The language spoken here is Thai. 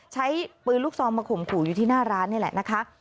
ใช้ปืนลูกซองมาข่มขู่อยู่ที่หน้าร้านนี่แหละนะคะ